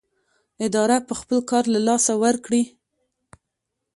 اداره به خپل کار له لاسه ورکړي.